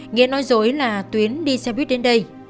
nghĩa nói dối là tuyến đi xe buýt đến đây